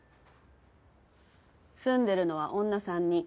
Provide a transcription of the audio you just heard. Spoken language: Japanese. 住んでるのは女３人。